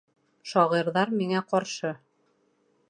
Шағирҙар миңә ҡаршы!